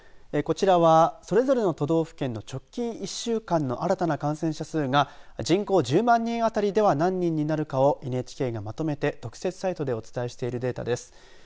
こちらは、それぞれの都道府県の直近１週間の新たな感染者数が人口１０万人あたりでは何人になるかをＮＨＫがまとめて特設サイトでお伝えしているデータです。